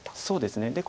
そうですね。